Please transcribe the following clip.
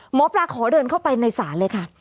หมอปลาขอเดินเข้าไปในศาลเลยค่ะ